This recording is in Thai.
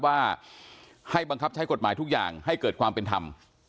ว่าให้บังคับใช้กฎหมายทุกอย่างให้เกิดความเป็นธรรม